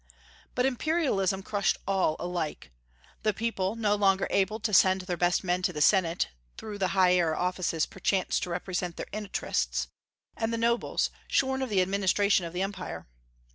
But imperialism crushed all alike, the people, no longer able to send their best men to the Senate through the higher offices perchance to represent their interests, and the nobles, shorn of the administration of the Empire.